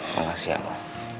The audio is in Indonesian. mereka men amber